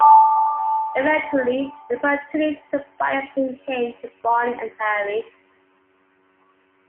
Eventually, the opportunity to buy a claim came to Barney and Harry.